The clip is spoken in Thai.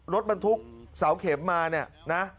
รถมันทุกสาวเข็มมาเนี่ยนะ